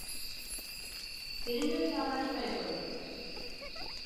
Seninle bir anlaşma yapalım.